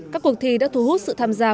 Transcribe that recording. các cuộc thi đã thu hút sự tham gia